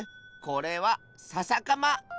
これはささかま！